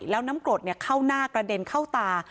แล้วน้ำกรดเข้าหน้ากระเด็นเข้าตา